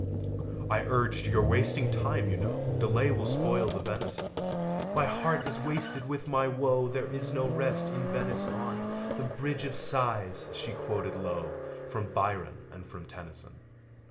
I urged "You're wasting time, you know: Delay will spoil the venison." "My heart is wasted with my woe! There is no rest in Venice, on The Bridge of Sighs!" she quoted low From Byron and from Tennyson.